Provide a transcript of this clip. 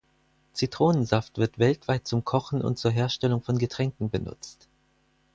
Zitronensaft wird weltweit zum Kochen und zur Herstellung von Getränken benutzt.